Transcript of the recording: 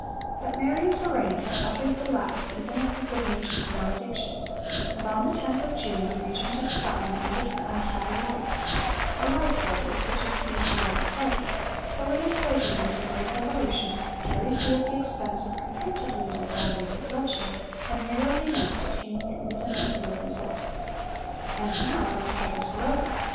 But Mary of Lorraine had uttered the last even of her good natured 'maledictions,' and on the 10th of June the Regent of Scotland ended her 'unhappy life' a life, that is, which had pleased neither party, though in its later years a great revolution, carried through at the expense of comparatively little violence or bloodshed, had narrowly missed attaining an even ideal result. And now those troubles were over.